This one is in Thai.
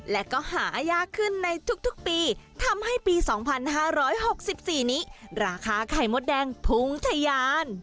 และก็หายากขึ้นในทุกปีทำให้ปี๒๕๖๔นี้ราคาไข่มดแดงพุ่งทะยาน